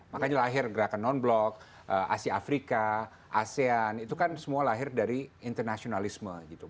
makanya lahir gerakan non blok asia afrika asean itu kan semua lahir dari internasionalisme gitu